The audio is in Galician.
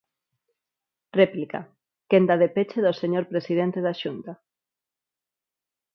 Réplica, quenda de peche do señor presidente da Xunta.